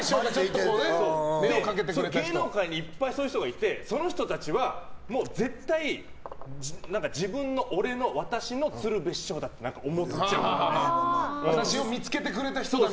芸能界にいっぱいそういう人がいてそういう人たちは絶対自分の、俺の、私の鶴瓶師匠だと私を見つけてくれた人だ